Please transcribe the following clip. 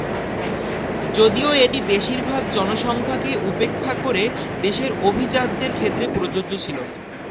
যদিও এটি বেশিরভাগ জনসংখ্যাকে উপেক্ষা করে দেশের অভিজাতদের ক্ষেত্রে প্রযোজ্য ছিল।